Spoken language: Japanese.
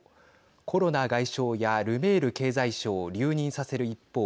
コロナ外相やルメール経済相を留任させる一方